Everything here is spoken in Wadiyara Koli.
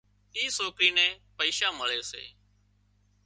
اِي سوڪرِي نين پئيشا مۯي سي